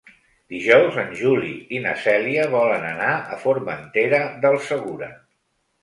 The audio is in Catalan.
Dijous en Juli i na Cèlia volen anar a Formentera del Segura.